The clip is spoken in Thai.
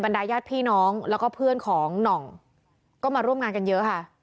ดายญาติพี่น้องแล้วก็เพื่อนของหน่องก็มาร่วมงานกันเยอะค่ะ